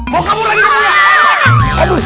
mau kabur lagi pak ustadz